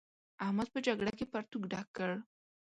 احمد په جګړه کې پرتوګ ډک کړ.